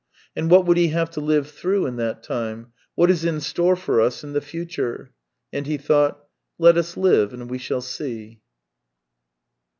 ... And what would he have to live through in that time ? What is in store for us in the future ? And he thought :" Let us live, and we shall see."